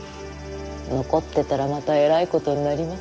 残ってたらまたえらいことになりますよ。